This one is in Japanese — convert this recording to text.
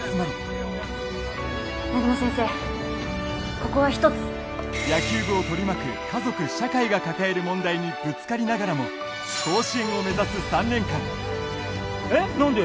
ここは一つ野球部を取り巻く家族社会が抱える問題にぶつかりながらも甲子園を目指す３年間えっ何で？